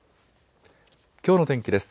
きょうの天気です。